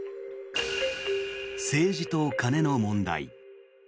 政治と金の問題。